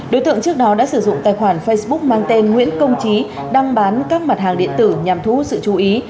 đối tượng trước đó đã sử dụng tài khoản facebook mang tên nguyễn công trí đăng bán các mặt hàng điện tử nhằm thú sự chú ý